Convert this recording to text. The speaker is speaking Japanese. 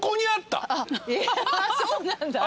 そうなんだ。